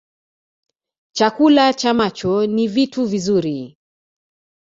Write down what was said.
Chakula cha macho ni vitu vizuri